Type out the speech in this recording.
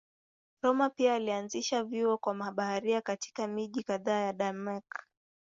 Rømer pia alianzisha vyuo kwa mabaharia katika miji kadhaa ya Denmark.